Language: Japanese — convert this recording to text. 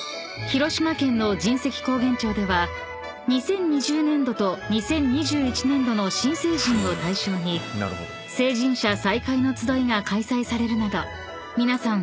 ［広島県の神石高原町では２０２０年度と２０２１年度の新成人を対象に成人者再会の集いが開催されるなど皆さん